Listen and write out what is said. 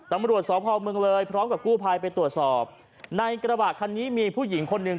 ตำรวจสพเมืองเลยพร้อมกับกู้ภัยไปตรวจสอบในกระบะคันนี้มีผู้หญิงคนหนึ่ง